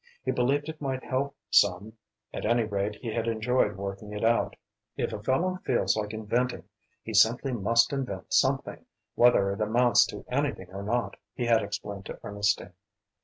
He believed it might help some at any rate he had enjoyed working it out. "If a fellow feels like inventing, he simply must invent something, whether it amounts to anything or not," he had explained to Ernestine.